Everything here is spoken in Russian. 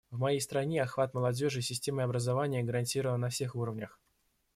В моей стране охват молодежи системой образования гарантирован на всех уровнях.